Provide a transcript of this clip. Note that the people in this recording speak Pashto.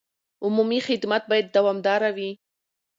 عمومي خدمت باید دوامداره وي.